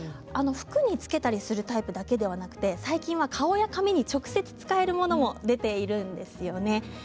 服につけたりするタイプだけでなく最近は顔や髪に直接使えるものも出ているんですよね。